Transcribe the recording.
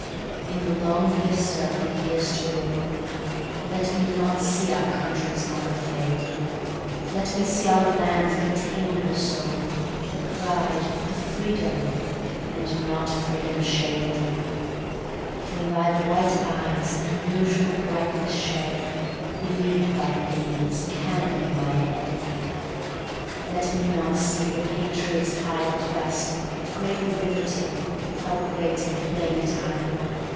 In the long vista of the years to roll, Let me not see our country's honour fade:O let me see our land retain her soul, Her pride, her freedom; and not freedom's shade. From thy bright eyes unusual brightness shed—Beneath thy pinions canopy my head! Let me not see the patriot's high bequest, Great Liberty! how great in plain attire!